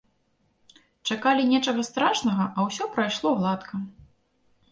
Чакалі нечага страшнага, а ўсё прайшло гладка.